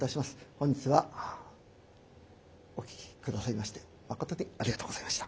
本日はお聴き下さいましてまことにありがとうございました。